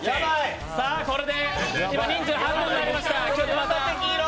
これで半分になりました。